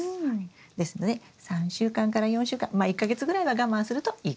ですので３週間から４週間まあ１か月ぐらいは我慢するといいかな。